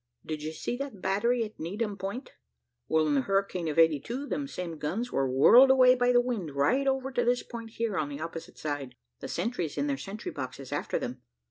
Did you see that battery at Needham Point? Well, in the hurricane of '82, them same guns were whirled away by the wind, right over to this point here on the opposite side, the sentries in their sentry boxes after them.